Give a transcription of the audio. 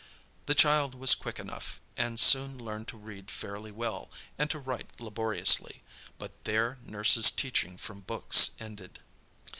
The child was quick enough, and soon learned to read fairly well and to write laboriously; but there nurse's teaching from books ended.